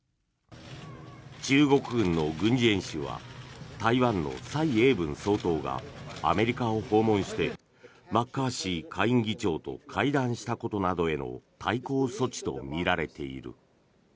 中国軍の軍事演習は台湾の蔡英文総統がアメリカを訪問してマッカーシー下院議長と会談したことなどへの対抗措置とみられている。